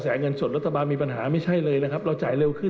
ถ้าใครไม่ชอบก็ใช้แนวทางเดิมได้นะฮะไปฟังเสียงทางนายกรัฐมนตรีกันครับ